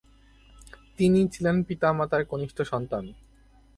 তিনি ছিলেন পিতা-মাতার কনিষ্ঠ সন্তান।